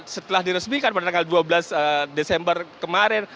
setelah diresmikan pada tanggal dua belas desember kemarin